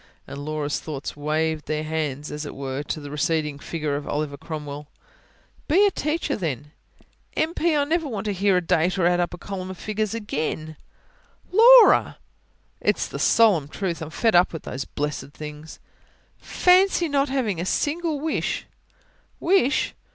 And Laura's thoughts waved their hands, as it were, to the receding figure of Oliver Cromwell. "Be a teacher, then." "M.P.! I never want to hear a date or add up a column of figures again." "Laura!" "It's the solemn truth. I'm fed up with all those blessed things." "Fancy not having a single wish!"